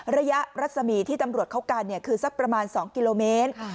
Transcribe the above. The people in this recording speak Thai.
ระยะรัศมีที่ตำรวจเข้ากันคือสักประมาณ๒กิโลเมตร